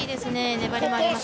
粘りもあります。